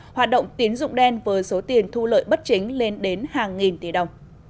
hoạt động tín dụng đen với số tiền thu lợi bất chính lên đến hàng nghìn tỷ đồng